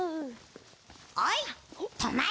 ・おいとまれ！